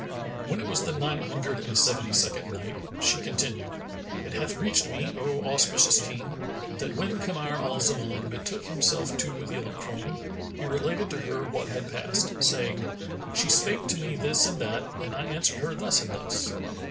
When it was the Nine Hundred and Seventy second Night, She continued, It hath reached me, O auspicious King, that when Kamar al Zaman betook himself to the old crone, he related to her what had passed, saying, "She spake to me this and that, and I answered her thus and thus.